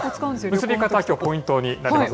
結び方、きょう、ポイントになります。